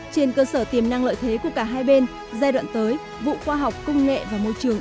trên cơ sở tiềm năng lợi thế của cả hai bên giai đoạn tới vụ khoa học công nghệ và môi trường